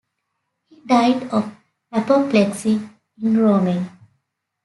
He died of apoplexy in Rome.